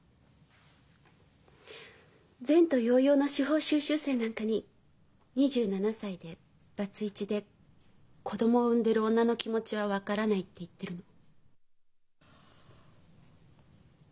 前途洋々の司法修習生なんかに２７歳でバツイチで子供を産んでいる女の気持ちは分からないって言ってるの。